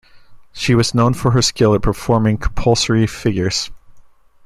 She was known for her skill at performing compulsory figures.